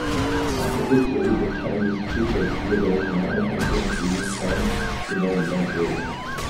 After victory, the Chinese People's Liberation Army continued to use them in their inventory.